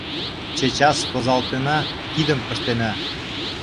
Чечас возалтына, кидым пыштена.